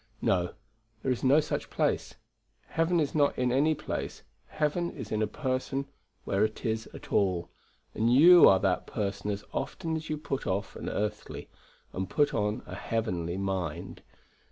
No; there is no such place. Heaven is not in any place: heaven is in a person where it is at all; and you are that person as often as you put off an earthly and put on a heavenly mind.